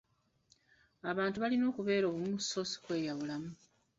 Abantu balina okubeera obumu so ssi kweyawulamu.